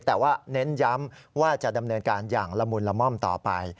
แต่ว่าเน้นย้ำว่าจะดำเนินการอย่างละมุนละม่อมต่อไป